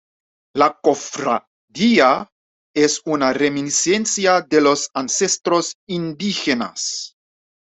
La cofradía es una reminiscencia de los ancestros indígenas.